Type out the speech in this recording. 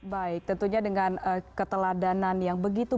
baik tentunya dengan keteladanan yang begitu